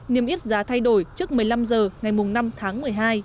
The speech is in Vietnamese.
thêm ít giá thay đổi trước một mươi năm h ngày năm tháng một mươi hai